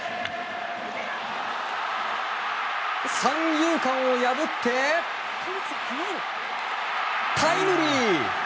三遊間を破ってタイムリー！